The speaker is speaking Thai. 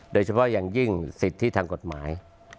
โดยเฉพาะอย่างยิ่งสิทธิทางกฎหมาย